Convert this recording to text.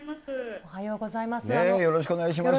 おはようございます。